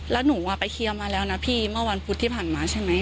แล้วหนูไปเคลียร์มาแล้วนะพี่เมื่อวันพุธที่ผ่านมาใช่ไหม